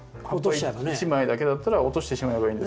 一枚だけだったら落としてしまえばいいんですけど。